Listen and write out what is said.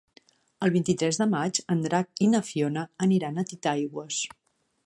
El vint-i-tres de maig en Drac i na Fiona aniran a Titaigües.